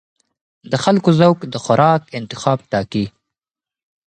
د خلکو ذوق د خوراک انتخاب ټاکي.